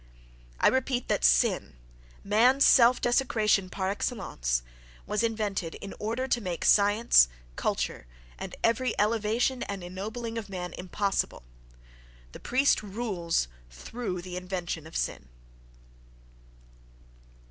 —I repeat that sin, man's self desecration par excellence, was invented in order to make science, culture, and every elevation and ennobling of man impossible; the priest rules through the invention of sin.